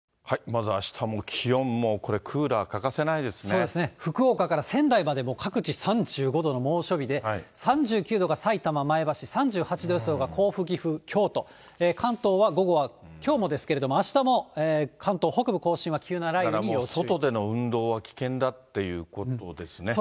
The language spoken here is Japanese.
まずあしたも気温、そうですね、福岡から仙台まで、各地３５度の猛暑日で、３９度がさいたま、前橋、３８度予想が甲府、岐阜、京都、関東は午後はきょうもですけれども、あしたも関東北部甲信は、だからもう外での運動は危険そうですね。